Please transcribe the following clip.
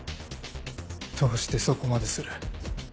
どうしてそこまでする？